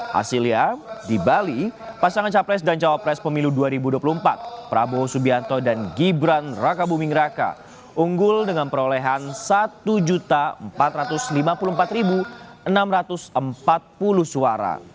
hasilnya di bali pasangan capres dan cawapres pemilu dua ribu dua puluh empat prabowo subianto dan gibran raka buming raka unggul dengan perolehan satu empat ratus lima puluh empat enam ratus empat puluh suara